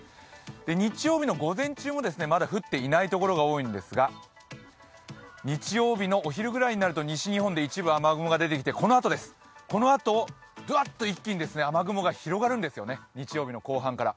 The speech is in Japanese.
日曜日の午前中もまだ降っていないところが多いんですが、日曜日のお昼ぐらいになると西日本で一部雨雲が出てきてこのあとです、ぐっと一気に雨雲が広がるんですよね、日曜日の後半から。